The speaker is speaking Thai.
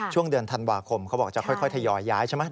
ช่วงเดือนธันวาคมเขาบอกจะค่อยทยอยย้ายใช่ไหม